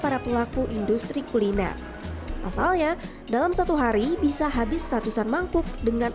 para pelaku industri kuliner pasalnya dalam satu hari bisa habis ratusan mangkuk dengan